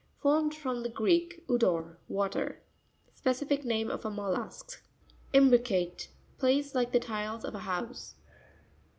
Formed from the Greek, udor, water. Specific name of a mollusk. Im'BricaTE.—Placed like the tiles of a house.